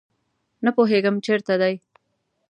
نه پوهیږم چیرته دي